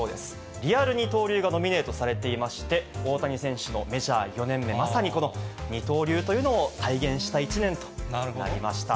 リアル二刀流がノミネートされていまして、大谷選手のメジャー４年目、まさにこの二刀流というのを体現した１年となりました。